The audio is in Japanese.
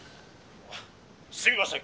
「すみません」。